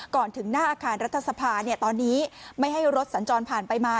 ก่อนถึงหน้าอาคารรัฐสภาตอนนี้ไม่ให้รถสัญจรผ่านไปมา